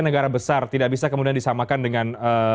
negara besar tidak bisa kemudian disamakan dengan